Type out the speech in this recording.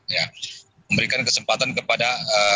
memberikan kesempatan kepada